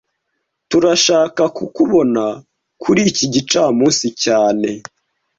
Turashaka kukubona kuri iki gicamunsi cyane